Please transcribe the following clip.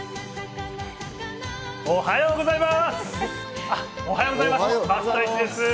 おはようございます！